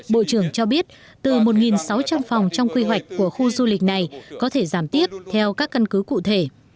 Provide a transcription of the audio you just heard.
bộ trưởng cho biết từ một sáu trăm linh phòng trong quy hoạch của khu du lịch này có thể giảm tiếp theo các căn cứ cụ thể